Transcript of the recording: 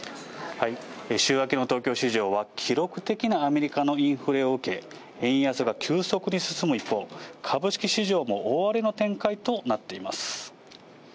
週明けの東京市場は、記録的なアメリカのインフレを受け、円安が急速に進む一方、株式市場も大荒れの展開となっています。